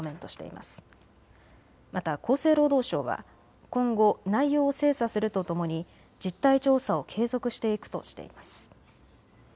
また、厚生労働省は今後、内容を精査するとともに実態調査を継続していくとしています。